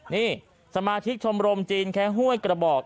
นี่สมาชิกชมรมจีนแค่ห้วยกระบอก